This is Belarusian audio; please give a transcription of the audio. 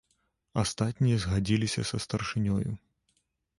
Астатнія згадзіліся са старшынёю.